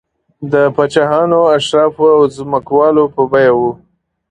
د پاچاهانو، اشرافو او ځمکوالو په بیه و